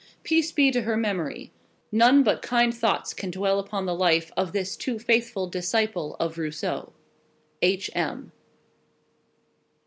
Peace be to her memory. None but kind thoughts can dwell upon the life of this too faithful disciple of Rousseau. H. M.